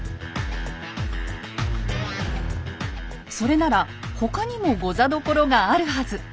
それなら他にも御座所があるはず。